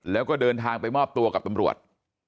แล้วก็เดินทางไปมอบตัวกับตำรวจ